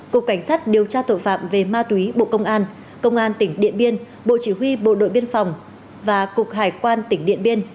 cục cảnh sát điều tra tội phạm về ma túy bộ công an công an tỉnh điện biên bộ chỉ huy bộ đội biên phòng và cục hải quan tỉnh điện biên